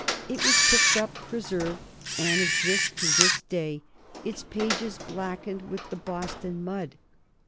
It was picked up, preserved, and exists to this day, its pages blackened with the Boston mud.